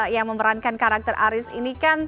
yang memerankan karakter aris ini kan